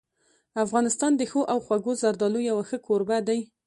افغانستان د ښو او خوږو زردالو یو ښه کوربه دی.